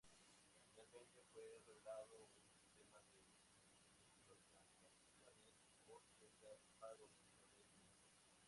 Finalmente, fue revelado un sistema de microtransacciones o tienda de pago dentro del mismo.